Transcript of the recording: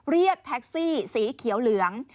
เรียกแท็กซี่สีเขียวเหลือง